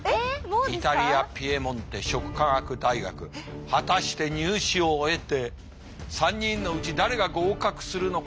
イタリアピエモンテ食科学大学果たして入試を終えて３人のうち誰が合格するのかしないのか。